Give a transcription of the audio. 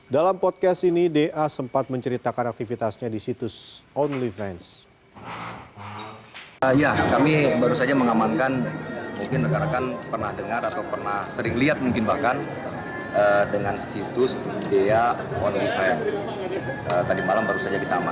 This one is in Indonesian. dalam podcast ini da sempat menceritakan aktivitasnya di situs only frience